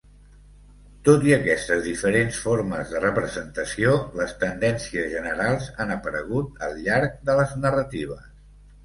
Tot i aquestes diferents formes de representació, les tendències generals han aparegut al llarg de les narratives.